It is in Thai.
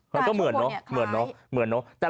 มันก็เหมือนเนอะเหมือนเนอะเหมือนเนอะ